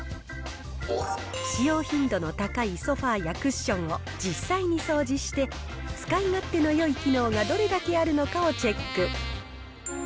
使用頻度の高いソファやクッションを実際に掃除して、使い勝手のよい機能がどれだけあるのかをチェック。